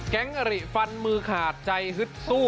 แก๊งหรี่ฟันมือขาดใจฮึดสู้